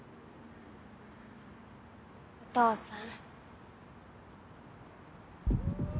お父さん。